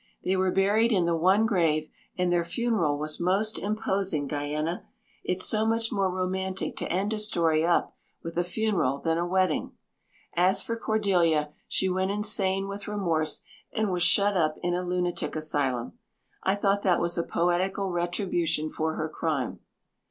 They were buried in the one grave and their funeral was most imposing, Diana. It's so much more romantic to end a story up with a funeral than a wedding. As for Cordelia, she went insane with remorse and was shut up in a lunatic asylum. I thought that was a poetical retribution for her crime."